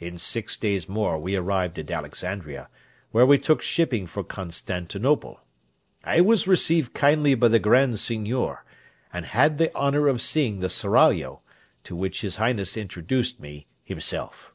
In six days more we arrived at Alexandria, where we took shipping for Constantinople. I was received kindly by the Grand Seignior, and had the honour of seeing the Seraglio, to which his highness introduced me himself.